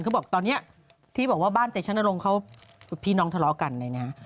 เขาบอกตอนนี้ที่บอกว่าบ้านเตชนรงค์เขาพี่น้องทะเลาะกันเลยนะ